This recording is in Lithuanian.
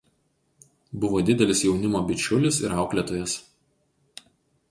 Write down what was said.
Buvo didelis jaunimo bičiulis ir auklėtojas.